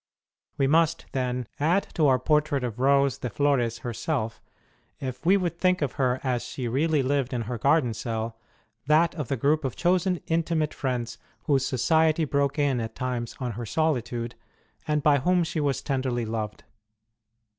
We must, then, add to our portrait of Rose de Flores herself, if we would think of her as she really lived in her garden cell, that of the group of chosen intimate friends, whose society broke in at times on her solitude, and by whom she was tenderly loved.